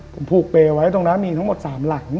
ผมผูกเปย์ไว้ตรงนั้นมีทั้งหมด๓หลัง